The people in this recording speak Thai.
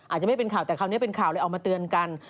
อาจจะไม่เป็นข่าวแต่คราวนี้เป็นข่าวเลยออกมาเตือนกัน